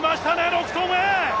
６投目！